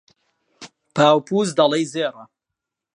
پاو و پووز، دەڵێی زێڕە